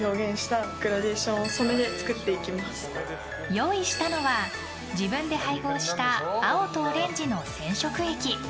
用意したのは自分で配合した青とオレンジの染色液。